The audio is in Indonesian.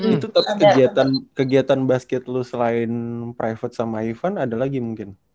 itu tapi kegiatan basket lo selain private sama ivan ada lagi mungkin